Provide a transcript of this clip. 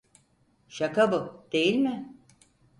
Şaka bu, değil mi?